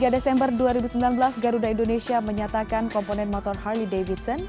tiga desember dua ribu sembilan belas garuda indonesia menyatakan komponen motor harley davidson